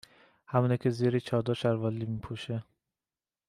همونی که زیر چادر شلوار لی می پوشه